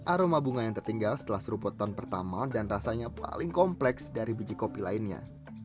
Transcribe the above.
aroma bunga yang tertinggal setelah seruput ton pertama dan rasanya paling kompleks dari biji kopi lainnya